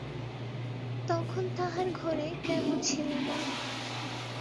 তখন তাঁহার ঘরে কেহ ছিল না।